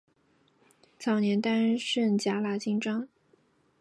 早年担任甲喇章京。